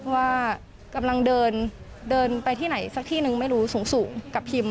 ว่ากำลังเดินเดินไปที่ไหนสักที่นึงไม่รู้สูงกับพิม